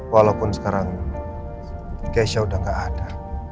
walaupun sekarang gesha udah gak ada